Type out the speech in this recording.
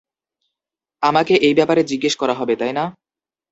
আমাকে এই ব্যাপারে জিজ্ঞেস করা হবে, তাই না?